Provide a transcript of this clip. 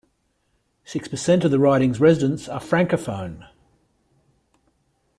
Six per cent of the riding's residents are francophone.